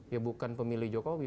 ya bukan pemilih jokowi